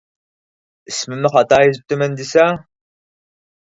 ئىسمىمنى خاتا يېزىپتىمەن دېسە.